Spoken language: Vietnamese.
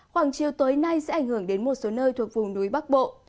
khoảng chiều tối nay sẽ ảnh hưởng đến một số nơi thuộc vùng núi bắc bộ